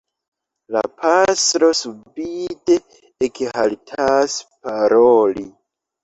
La pastro subite ekhaltas paroli.